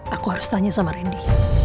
aku harus tanya sama randy